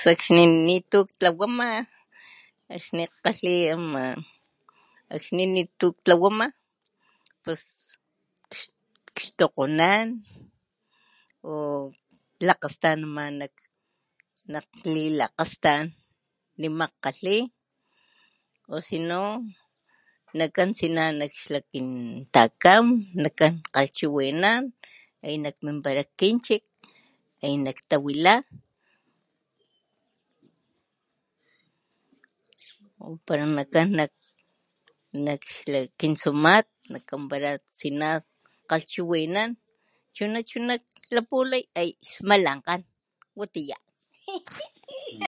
Sakxni nitu ktlawama akxni jkgalhi ama akxni nitu ktlawama pus xtokgonan o lakgastanama nak lilakgastan nima jkgalhi o sino nakan tsina nak xla kin takam nakan kgalhchiwinan y nak minpala nak kinchik y nak tawila o pala nakan nak xla kin tsumat kampala tsina jkgalhchiwinan chuna chuna klapulay eye smalankgan watiya. Tsiyan.